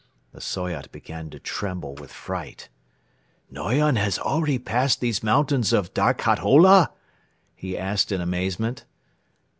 The Soyot began to tremble with fright. "Noyon has already passed these mountains of Darkhat Ola?" he asked in amazement.